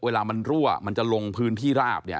เวลามันรั่วมันจะลงพื้นที่ราบเนี่ย